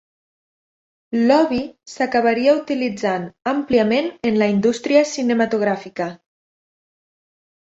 L'"Obie" s'acabaria utilitzant àmpliament en la indústria cinematogràfica.